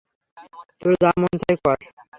তোর যা মন চায় কর।